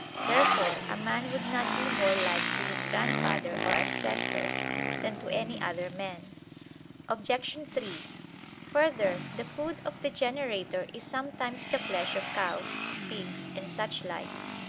Therefore a man would not be more like to his grandfather or ancestors, than to any other men. Obj. 3: Further, the food of the generator is sometimes the flesh of cows, pigs and suchlike.